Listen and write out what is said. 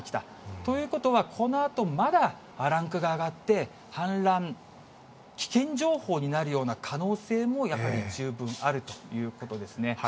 ということは、このあとまだランクが上がって、氾濫危険情報になるような可能性もやはり十分あるということですね。